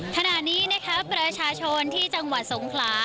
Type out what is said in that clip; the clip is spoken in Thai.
ขณะนี้นะคะประชาชนที่จังหวัดสงขลา